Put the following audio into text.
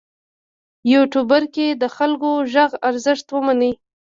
یوټوبر دې د خلکو د غږ ارزښت ومني.